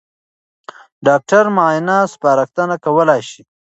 ډاکټر معاینه سپارښتنه کولای شي.